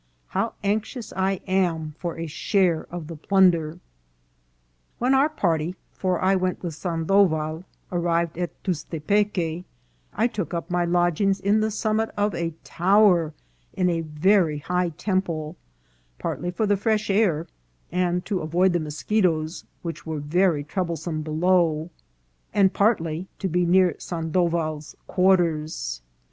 How anxious I am for a share of the plunder." " When our party (for I went with Sandoval) arrived at Tustepeque, I took up my lodgings in the summit of a tower in a very high temple, partly for the fresh air and to avoid the moschetoes, which were very trouble some below, and partly to be near Sandoval's quarters."